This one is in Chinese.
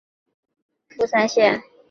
出身于富山县。